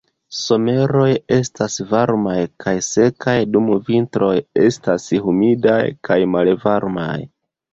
Someroj estas varmaj kaj sekaj, dum vintroj estas humidaj kaj malvarmaj.